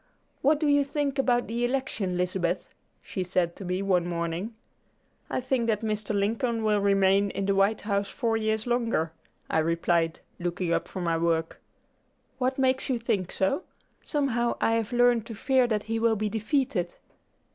"What do you think about the election, Lizabeth?" she said to me one morning. "I think that Mr. Lincoln will remain in the White House four years longer," I replied, looking up from my work. "What makes you think so? Somehow I have learned to fear that he will be defeated."